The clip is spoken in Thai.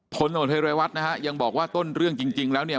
ผลโทษไทยรายวัฒน์นะครับยังบอกว่าต้นเรื่องจริงแล้วเนี่ย